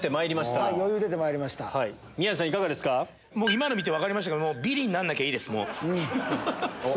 今の見て分かりましたけどビリにならなきゃいいですもう。